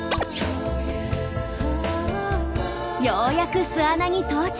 ようやく巣穴に到着。